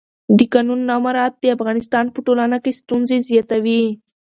د قانون نه مراعت د افغانستان په ټولنه کې ستونزې زیاتوي